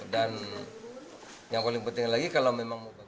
dan yang paling penting lagi kalau memang